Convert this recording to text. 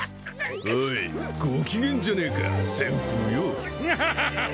おいご機嫌じゃねえか旋風ようガハハハハ！